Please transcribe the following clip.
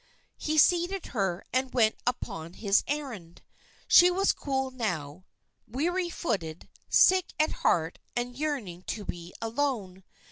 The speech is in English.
He seated her and went upon his errand. She was cool now; weary footed, sick at heart, and yearning to be alone.